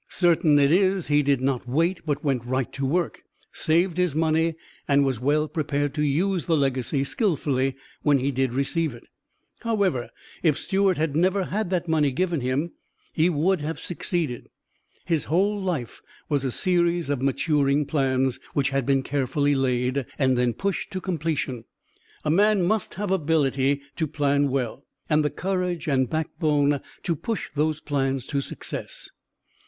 Certain it is he did not wait but went right to work, saved his money, and was well prepared to use the legacy skillfully when he did receive it. However, if Stewart had never had that money given him, he would have succeeded. His whole life was a series of maturing plans, which had been carefully laid, and then pushed to completion. A man must have ability to plan well, and the courage and backbone to push those plans to success.